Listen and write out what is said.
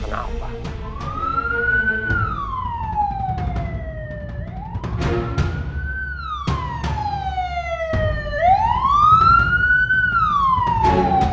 kenapa ikut pak